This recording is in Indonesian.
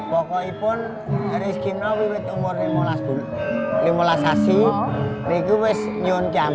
pokoknya rizky masih berumur lima belas tahun